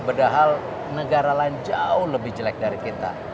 padahal negara lain jauh lebih jelek dari kita